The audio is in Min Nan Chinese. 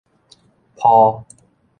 鋪